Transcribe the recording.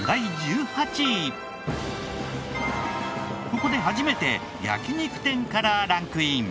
ここで初めて焼肉店からランクイン。